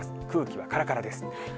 空気はからからです。